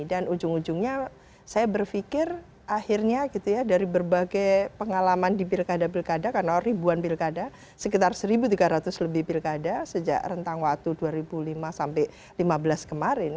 dan ujung ujungnya saya berfikir akhirnya gitu ya dari berbagai pengalaman di pilkada pilkada karena ribuan pilkada sekitar seribu tiga ratus lebih pilkada sejak rentang waktu dua ribu lima sampai dua ribu lima belas kemarin